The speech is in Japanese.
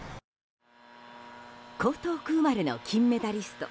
江東区生まれの金メダリスト